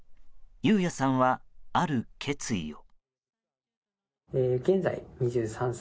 雄也さんは、ある決意を。